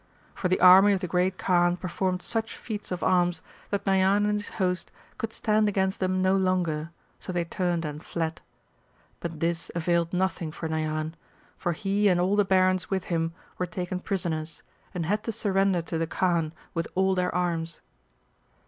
For the army of the Great Kaan performed such feats of arms that Nayan and his host could stand against them no longer, so they turned and fled. But this availed nothing for Nayan ; for he and all the barons with him were taken prisoners, and had to surrender to the Kaan with all their arms.